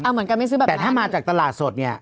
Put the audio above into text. เหมือนกันไม่ซื้อแบบนี้แต่ถ้ามาจากตลาดสดเนี่ย